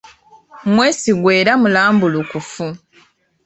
Mwesigwa era mulambulukufu.